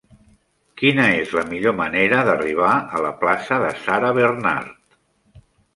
Quina és la millor manera d'arribar a la plaça de Sarah Bernhardt?